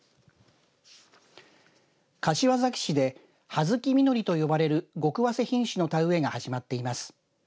柏崎市で葉月みのりと呼ばれるごくわせ品種の田植えが始まっています。